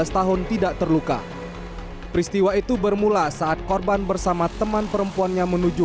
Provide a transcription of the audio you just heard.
tahun tidak terluka peristiwa itu bermula saat korban bersama teman perempuannya menuju